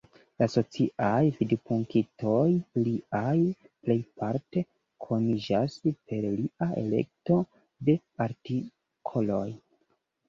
La sociaj vidpunktoj liaj plejparte koniĝas per lia elekto de artikoloj.